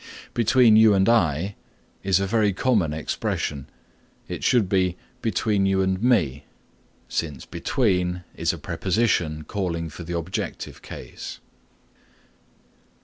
"Between you and I" is a very common expression. It should be "Between you and me" since between is a preposition calling for the objective case.